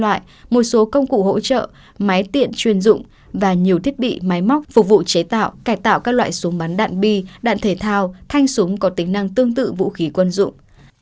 quả đó phát hiện thu giữ tám mươi hai khẩu súng các loại ba trăm một mươi bốn viên đạn các loại ba trăm một mươi bốn viên đạn các loại một số công cụ hỗ trợ máy tiện chuyên dụng và nhiều thiết bị máy móc phục vụ chế tạo cải tạo các loại súng bắn đạn bi đạn thể thao thanh súng có tính năng tương tự vũ khí quân dụng